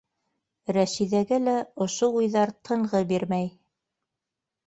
Рәшиҙәгә лә ошо уйҙар тынғы бирмәй.